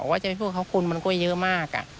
ว่าจะพูดขอขอบคุณมันก็เยอะมาก